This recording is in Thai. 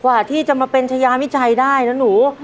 กว่าที่จะมาเป็นชายามิจัยได้นะหนู